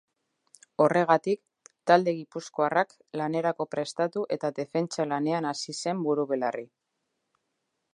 Horregatik, talde gipuzkoarrak lanerako prestatu eta defentsa lanean hasi zen buru-belarri.